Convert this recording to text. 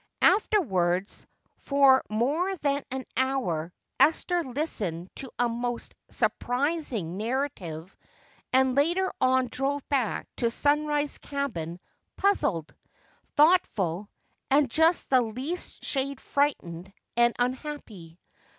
Afterwards for more than an hour Esther listened to a most surprising narrative and later on drove back to Sunrise cabin puzzled, thoughtful and just the least shade frightened and unhappy.